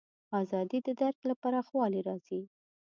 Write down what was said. ازادي د درک له پراخوالي راځي.